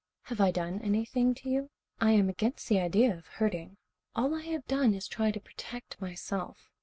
"Have I done anything to you? I am against the idea of hurting. All I have done is try to protect myself.